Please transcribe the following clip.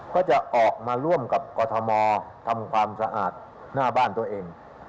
ก็จะออกมาร่วมกับกรทมทำความสะอาดหน้าบ้านตัวเอง